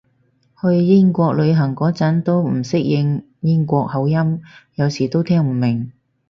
去英國旅行嗰陣都唔適應英國口音，有時都聽唔明